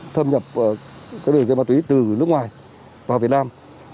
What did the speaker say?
thâm nhập các đường dây ma túy từ nước ngoài vào việt nam